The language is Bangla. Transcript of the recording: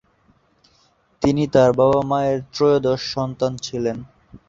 তিনি তাঁর বাবা মায়ের ত্রয়োদশ সন্তান ছিলেন।